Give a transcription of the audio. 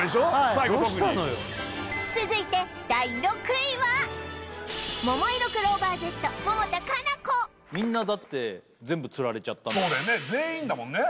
最後特にどうしたのよ続いて第６位はみんなだって全部つられちゃったんだからそうだよね全員だもんね